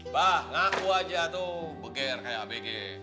bah ngaku aja tuh beger kayak abg